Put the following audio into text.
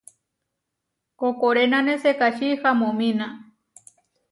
Koʼkorénane sekačí hamomína.